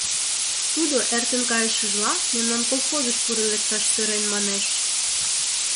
Тудо, эртен кайышыжла, мемнан колхозыш пурен лекташ сӧрен, — манеш.